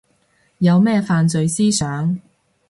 有咩犯罪思想